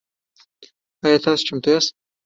آیا تاسو چمتو یاست؟